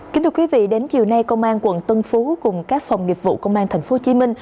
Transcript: kính thưa quý vị đến chiều nay công an quận tân phú cùng các phòng nghiệp vụ công an tp hcm